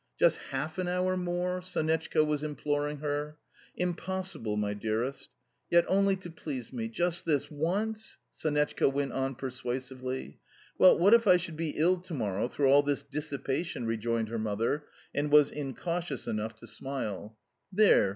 "Just HALF an hour more?" Sonetchka was imploring her. "Impossible, my dearest." "Yet, only to please me just this ONCE?" Sonetchka went on persuasively. "Well, what if I should be ill to morrow through all this dissipation?" rejoined her mother, and was incautious enough to smile. "There!